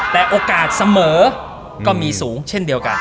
แต่โอกาสเสมอก็มีสูงเช่นเดียวกัน